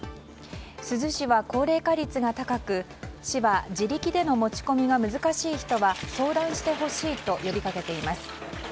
珠洲市は高齢化率が高く、市は自力での持ち込みが難しい人は相談してほしいと呼び掛けています。